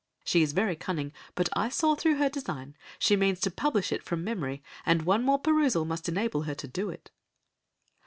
She is very cunning, but I saw through her design, she means to publish it from memory, and one more perusal must enable her to do it."